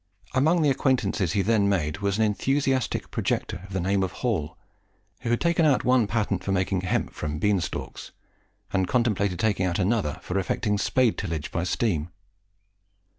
Among the acquaintances he then made was an enthusiastic projector of the name of Hall, who had taken out one patent for making hemp from bean stalks, and contemplated taking out another for effecting spade tillage by steam.